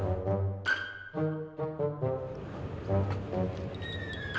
abis makan ya bos